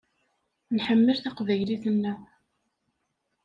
Nḥemmel taqbaylit-nneɣ.